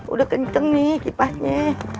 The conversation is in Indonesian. udah kenceng nih kipasnya